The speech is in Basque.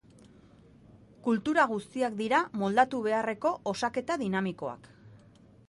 Kultura guztiak dira moldatu beharreko osaketa dinamikoak.